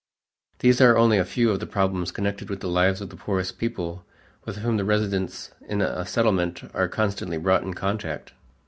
These are only a few of the problems connected with the lives of the poorest people with whom the residents in a Settlement are constantly brought in contact.